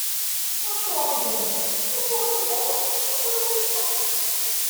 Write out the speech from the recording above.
Acuɣeṛ i d-luleɣ, acuɣeṛ i ddreɣ, acuɣeṛ ara mteɣ?